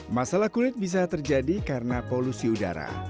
masalah kulit bisa terjadi karena polusi udara